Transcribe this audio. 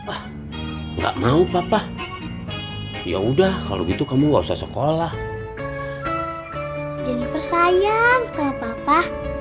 ah nggak mau papa ya udah kalau gitu kamu nggak usah sekolah jeniper sayang sama papa